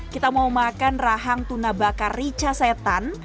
kita mau makan rahang tuna bakar rica setan